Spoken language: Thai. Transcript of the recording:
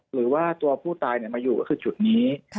หรือว่าตัวผู้ตายมาอยู่ก็คือจุดนี้